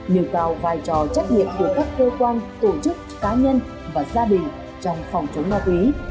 nhiều cao vai trò trách nhiệm của các cơ quan tổ chức cá nhân và gia đình trong phòng chống ma túy